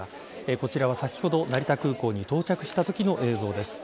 こちらは先ほど成田空港に到着したときの映像です。